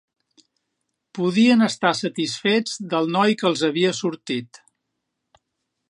Podien estar satisfets del noi que els havia sortit.